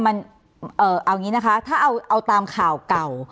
มันเอิ่มเอาอย่างงี้นะคะถ้าเอาเอาตามข่าวเก่า